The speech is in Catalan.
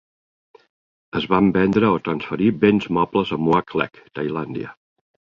Es van vendre o transferir béns mobles a Muak Lek, Tailàndia.